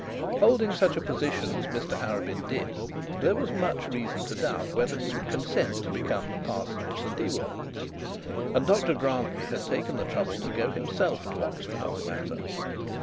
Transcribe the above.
Holding such a position as Mr Arabin did, there was much reason to doubt whether he would consent to become the parson of St Ewold's, and Dr Grantly had taken the trouble to go himself to Oxford on the matter.